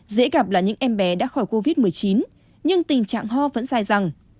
dễ gặp là những em bé đã khỏi covid một mươi chín nhưng tình trạng ho vẫn dài dẳng